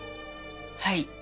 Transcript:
はい。